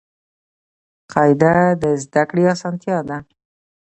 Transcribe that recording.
قاعده د زده کړي اسانتیا ده.